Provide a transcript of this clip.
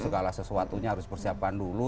segala sesuatunya harus persiapkan dulu